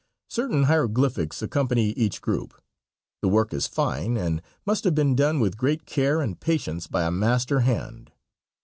Certain hieroglyphics accompany each group. The work is fine, and must have been done with great care and patience by a master hand.